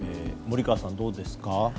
森川さん、どうですか？